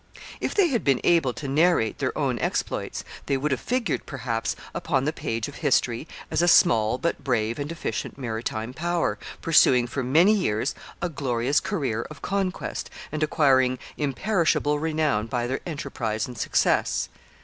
If they had been able to narrate their own exploits, they would have figured, perhaps, upon the page of history as a small but brave and efficient maritime power, pursuing for many years a glorious career of conquest, and acquiring imperishable renown by their enterprise and success.